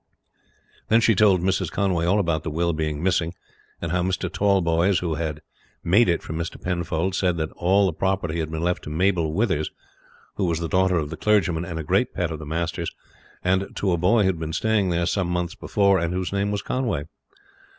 Then she told Mrs. Conway all about the will being missing, and how Mr. Tallboys, who had made it for Mr. Penfold, said that all the property had been left to Mabel Withers, who was the daughter of the clergyman and a great pet of the master's, and to a boy who had been staying there some months before, and whose name was Conway.